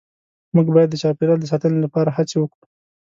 مونږ باید د چاپیریال د ساتنې لپاره هڅې وکړو